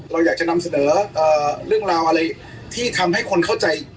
เราอยากจะนำเสนอเรื่องราวอะไรที่ทำให้คนเข้าใจ